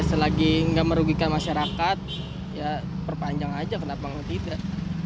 selagi nggak merugikan masyarakat ya perpanjang aja kenapa tidak